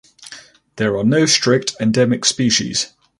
There are no strict endemic species.